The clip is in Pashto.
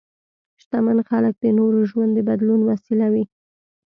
شتمن خلک د نورو ژوند د بدلون وسیله وي.